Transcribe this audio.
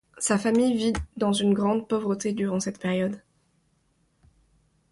Sa famille vit dans une grande pauvreté durant cette période.